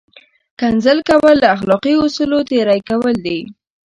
کنځل کول له اخلاقي اصولو تېری کول دي!